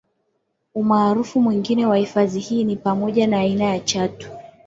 Umaarufu mwingine wa hifadhi hii ni pamoja ya aina ya chatu